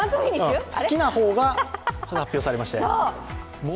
好きな方が発表されまして。